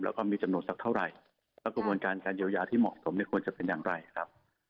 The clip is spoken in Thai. แล้วก็มีจำนวนสักเท่าไหร่แล้วกระบวนการการเยียวยาที่เหมาะสมเนี่ยควรจะเป็นอย่างไรครับ